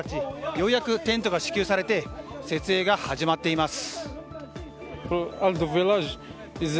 ようやくテントが支給されて設営が始まっています。